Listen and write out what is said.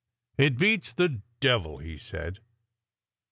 It beats the— devil!" he said.